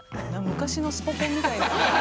昔のスポ根みたいな。